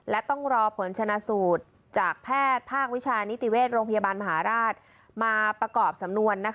และต้องรอผลชนะสูตรจากแพทย์ภาควิชานิติเวชโรงพยาบาลมหาราชมาประกอบสำนวน